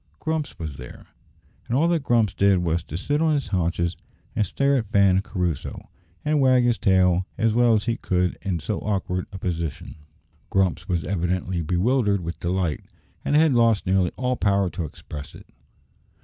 Grumps was there, and all that Grumps did was to sit on his haunches and stare at Fan and Crusoe, and wag his tail as well as he could in so awkward a position! Grumps was evidently bewildered with delight, and had lost nearly all power to express it.